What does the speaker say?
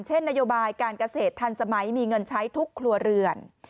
นโยบายการเกษตรทันสมัยมีเงินใช้ทุกครัวเรือน